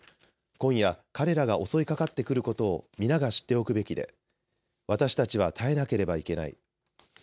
今夜、彼らが襲いかかってくることを皆が知っておくべきで私たちは耐えなければいけない。